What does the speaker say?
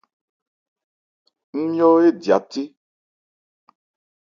Ńmyɔ́ édya thé.